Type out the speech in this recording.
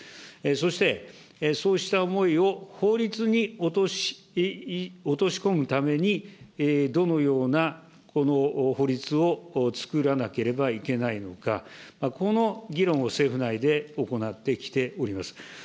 そして、そうした思いを法律に落とし込むために、どのような法律をつくらなければいけないのか、この議論を政府内で行ってきております。